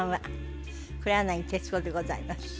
黒柳徹子でございます。